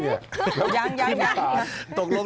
ยัง